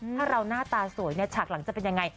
ถ้าเราหน้าตาสวยเนี่ยฉากหลังจะเป็นยังไง